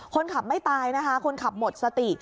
คนขับไม่ตายนะคะคนขับหมดสติ